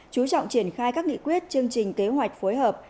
chú trọng triển khai các nghị quyết chương trình kế hoạch phối hợp